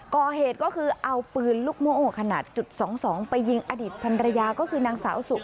ก่อเหตุก็คือเอาปืนลูกโม่ขนาดจุด๒๒ไปยิงอดีตพันรยาก็คือนางสาวสุ